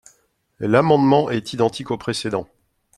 L’amendement est identique au précédent.